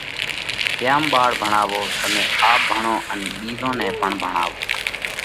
تيام ٻاۯ ڀڻاوو۔ تمي آپ ڀڻو ان ٻِيزون نئہ پڻ ڀڻاوو۔